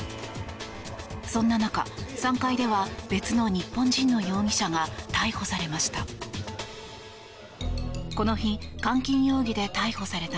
そんな中、３階では別の日本人の容疑者が逮捕されました。